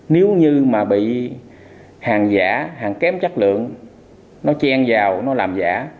nếu như mà bị hàng giả hàng kém chất lượng nó chen vào nó làm giả